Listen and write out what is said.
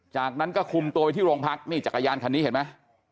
จากนั้นก็คุมตัวไปที่โรงพักนี่จักรยานคันนี้เห็นไหม